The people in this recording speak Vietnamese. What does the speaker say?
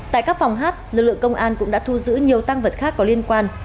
tại các phòng hát lực lượng công an cũng đã thu giữ nhiều tăng vật khác có liên quan